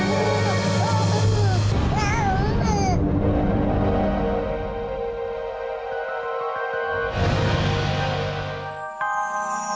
harus keambling sekarang